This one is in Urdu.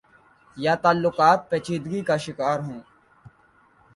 یا تعلقات پیچیدگی کا شکار ہوں۔۔